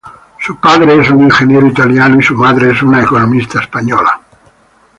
Su padre es un ingeniero italiano y su madre es una economista española.